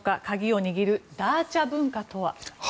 鍵を握るダーチャ文化とは。